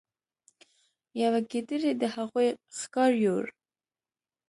یوې ګیدړې د هغوی ښکار یووړ.